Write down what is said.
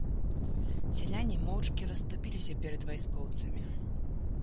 Сяляне моўчкі расступіліся перад вайскоўцамі.